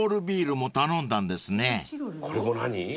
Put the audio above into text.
これも何？